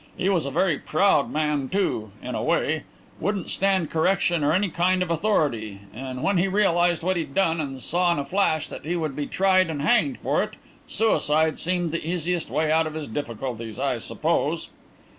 He was a very proud man too, in a way wouldn't stand correction or any kind of authority, and when he realized what he'd done and saw in a flash that he would be tried and hanged for it, suicide seemed the easiest way out of his difficulties, I suppose."